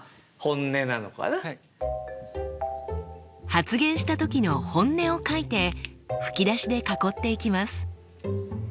発言した時の本音を書いて吹き出しで囲っていきます。